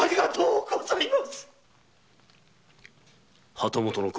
「旗本の心」